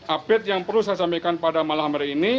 update yang perlu saya sampaikan pada malam hari ini